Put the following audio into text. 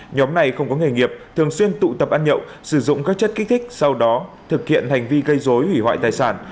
nhóm này không có nghề nghiệp thường xuyên tụ tập ăn nhậu sử dụng các chất kích thích sau đó thực hiện hành vi gây dối hủy hoại tài sản